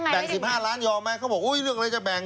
แบ่ง๑๕ล้านยอมไหมเค้าบอกอุยเรื่องไงจะแบ่ง